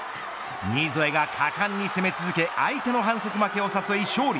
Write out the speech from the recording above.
新添が果敢に攻め続け相手の反則負けを誘い、勝利。